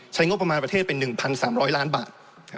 งบประมาณประเทศเป็น๑๓๐๐ล้านบาท